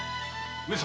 上様。